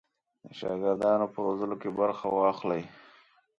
د شاګردانو په روزلو کې برخه واخلي.